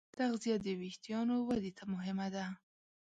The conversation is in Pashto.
تغذیه د وېښتیانو ودې ته مهمه ده.